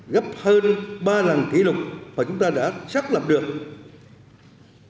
đặc biệt chúng ta đã đạt mức kỷ lục hai một tỷ đô la và chúng ta đã đạt mức kỷ lục hai một tỷ đô la